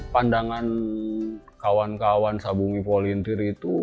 pandangan kawan kawan sabungi volunteer itu